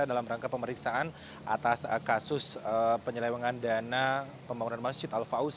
dalam rangka pemeriksaan atas kasus penyelewangan dana pembangunan masjid al faus